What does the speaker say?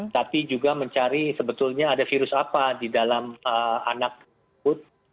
tapi juga mencari sebetulnya ada virus apa di dalam anak tersebut